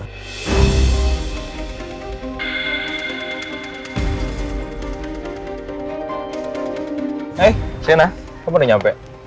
hai sienna kamu udah nyampe